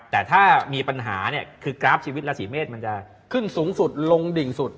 แต่ถ้ามีปัญหาเนี่ยคือกราฟชีวิตราศีเมษมันจะขึ้นสูงสุดลงดิ่งสุด